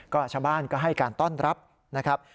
ก็ชาวบ้านก็ให้การต้อนรับนะครับ